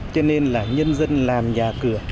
cho nên là nhân dân làm nhà cửa